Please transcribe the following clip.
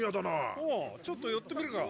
ああちょっとよってみるか。